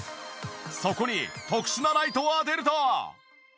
そこに特殊なライトを当てると。